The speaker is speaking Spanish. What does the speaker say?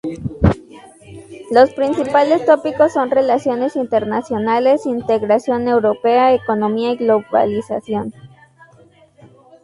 Los principales tópicos son Relaciones Internacionales, Integración Europea, Economía y Globalización.